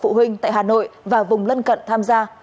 các bậc phụ huynh tại hà nội và vùng lân cận tham gia